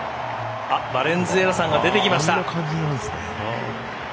バレンズエラさんが出てきました。